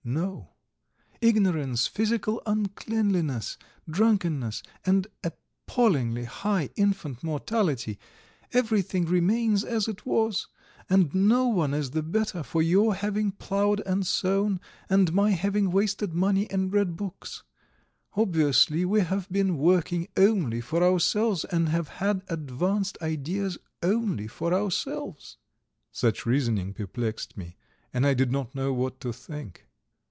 No. Ignorance, physical uncleanliness, drunkenness, an appallingly high infant mortality, everything remains as it was, and no one is the better for your having ploughed and sown, and my having wasted money and read books. Obviously we have been working only for ourselves and have had advanced ideas only for ourselves." Such reasonings perplexed me, and I did not know what to think.